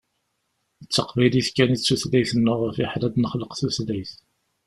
D taqbaylit kan i d tutlayt-nneɣ, fiḥel ad d-nexleq tutlayt.